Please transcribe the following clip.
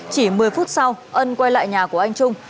chỉ một mươi phút sau ân quay lại nhà của anh trung